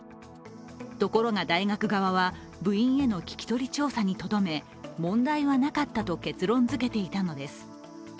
ところが大学側は、部員への聞き取り調査にとどめ問題はなかったと結論づけていたのです。